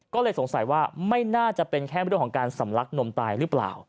ก็เลยสงสัยว่าไม่น่าจะเป็นแค่เรื่องของการสำลักนมตายหรือเปล่า